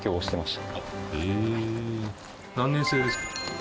何年制ですか？